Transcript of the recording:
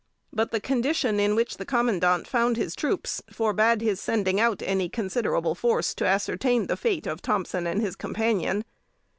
But the condition in which the commandant found his troops, forbade his sending out any considerable force to ascertain the fate of Thompson and his companion.